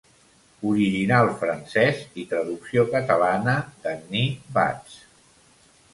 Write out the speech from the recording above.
Original francès i traducció catalana d'Annie Bats.